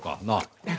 なあ。